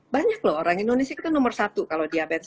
banyak loh orang indonesia itu nomor satu kalau diabetes